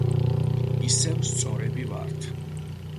ისევ სწორები ვართ.